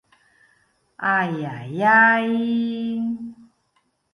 Ai, ai, ai!